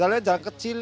jalannya jalan kecil